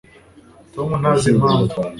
tom ntazi impamvu